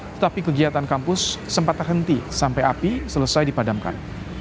tetapi kegiatan kampus sempat terhenti sampai api selesai dipadamkan